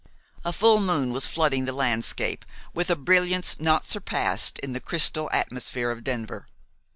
A full moon was flooding the landscape with a brilliance not surpassed in the crystal atmosphere of Denver.